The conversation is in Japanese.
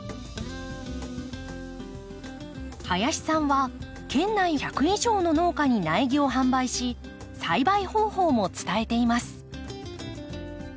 林さんは県内１００以上の農家に苗木を販売し栽培方法も伝えています。